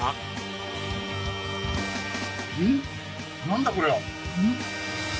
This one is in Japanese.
何だこれは！？